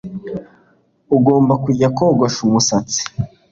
Ugomba kujya kogosha umusatsi